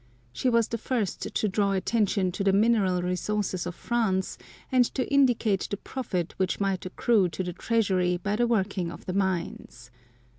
She was the first to draw attention to the mineral resources of France, and to indicate the profit which might accrue to the treasury by the working of the mines.